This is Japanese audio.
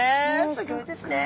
すギョいですね。